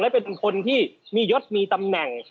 และเป็นคนที่มียศมีตำแหน่ง